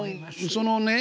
そのね